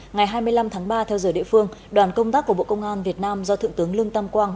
ngày hai mươi năm tháng ba theo giờ địa phương đoàn công tác của bộ công an việt nam do thượng tướng lương tam quang